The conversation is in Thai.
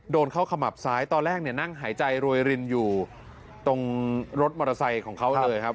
โดนเข้าขมับซ้ายตอนแรกเนี่ยนั่งหายใจรวยรินอยู่ตรงรถมอเตอร์ไซค์ของเขาเลยครับ